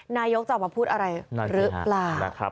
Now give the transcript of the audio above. นายกจะออกมาพูดอะไรหรือเปล่า